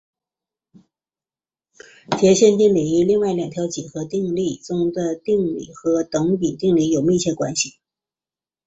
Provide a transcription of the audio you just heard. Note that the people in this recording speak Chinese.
截线定理与另外两条几何定理中点定理和等比定理有密切关系。